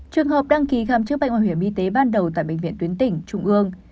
trường hợp đăng ký khám chữa bệnh bảo hiểm y tế ban đầu tại bệnh viện tuyến tỉnh trung ương